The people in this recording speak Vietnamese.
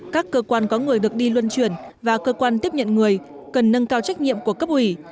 các cơ quan có người được đi luân chuyển và cơ quan tiếp nhận người cần nâng cao trách nhiệm của cấp ủy